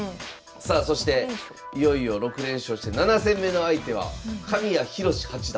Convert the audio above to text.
さあそしていよいよ６連勝して７戦目の相手は神谷広志八段。